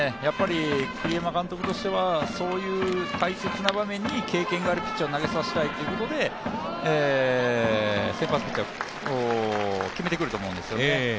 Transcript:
栗山監督としては、そういう大切な場面に経験があるピッチャーを投げさせたいということで先発ピッチャーを決めてくると思うんですね。